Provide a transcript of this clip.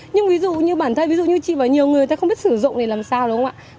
nhưng ví dụ như bản thân ví dụ như chị và nhiều người ta không biết sử dụng để làm sao đúng không ạ